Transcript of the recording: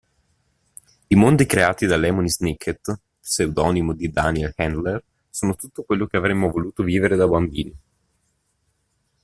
I mondi creati da Lemony Snicket pseudonimo di Daniel Handler, sono tutto quello che avremmo voluto vivere da bambini.